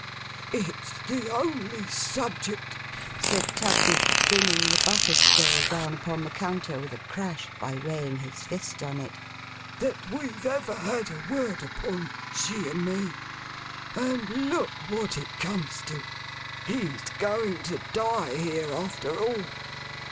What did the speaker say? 'It's the only subject,' said Tugby, bringing the butter scale down upon the counter with a crash, by weighing his fist on it, 'that we've ever had a word upon; she and me; and look what it comes to! He's going to die here, after all.